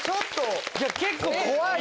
結構怖い！